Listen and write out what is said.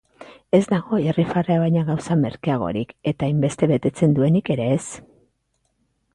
Ez dago irrifarrea baino gauza merkeagorik eta hainbeste betetzen duenik ere ez.